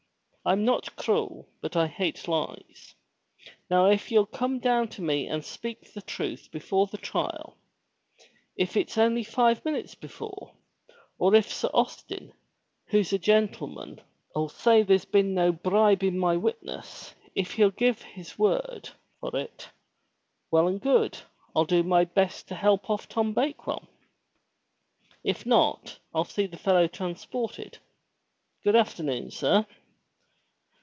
I'm not cruel, but I hate lies. Now if ye'll come down to me and speak truth before the trial — if it's only five minutes before, or if Sir Austin, who's a gentleman, '11 249 MY BOOK HOUSE say there's been no bribin' my witnesses, if he'll give his word for it, — well and good, FU do my best to help off Tom Bakewell. If not ril see the fellow transported. Good afternoon, sir."